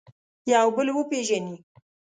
یو بل وپېژني.